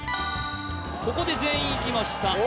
ここで全員いきました